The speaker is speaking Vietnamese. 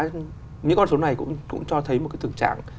những con số này cũng cho thấy một cái thực trạng